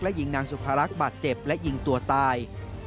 และยิงนางสุพรรณบาดเจ็บและยิงตัวตาย